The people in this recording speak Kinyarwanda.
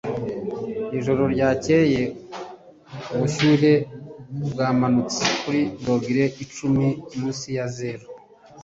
Ijoro ryakeye, ubushyuhe bwamanutse kuri dogere icumi munsi ya zeru.